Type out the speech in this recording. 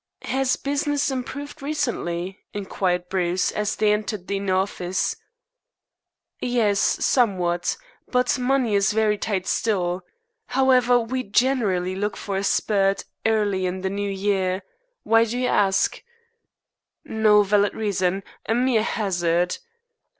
"Has business improved recently?" inquired Bruce, as they entered the inner office. "Yes, somewhat; but money is very tight still. However, we generally look for a spurt early in the New Year. Why do you ask?" "No valid reason. A mere hazard."